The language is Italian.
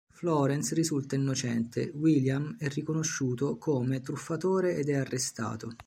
Florence risulta innocente, William è riconosciuto come truffatore ed è arrestato.